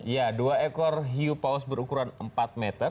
ya dua ekor hiu paus berukuran empat meter